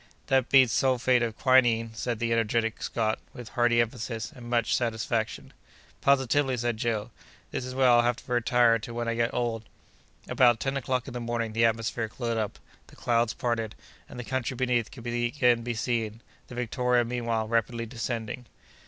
"That beats sulphate of quinine!" said the energetic Scot, with hearty emphasis and much satisfaction. "Positively," said Joe, "this is where I'll have to retire to when I get old!" About ten o'clock in the morning the atmosphere cleared up, the clouds parted, and the country beneath could again be seen, the Victoria meanwhile rapidly descending. Dr.